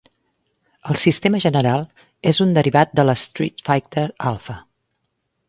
El sistema general és un derivat del "Street Fighter Alpha".